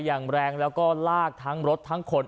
อย่างแรงแล้วก็ลากทั้งรถทั้งคน